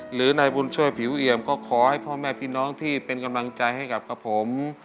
หรือนายบุญช่วยผิวเอี่ยมก็ขอให้พ่อแม่พี่น้องที่เป็นกำลังใจให้กับผม